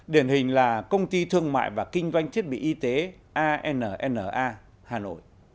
điển hình là công ty thương mại và kinh doanh thiết bị y tế anna hà nội